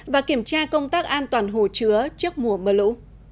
và kiểm tra công tác an toàn hồ chứa trước mùa mưa lũ